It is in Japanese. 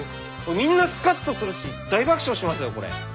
みんなすかっとするし大爆笑しますよこれ。